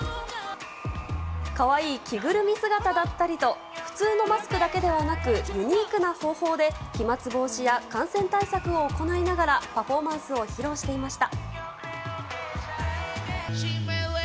可愛い着ぐるみ姿だったりと普通のマスクだけではなくユニークな方法で飛沫防止や感染対策を行いながらパフォーマンスを披露していました。